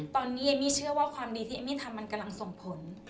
ตอนนี้เอมมี่เชื่อว่าความดีที่เอมมี่ทำมันกำลังส่งผล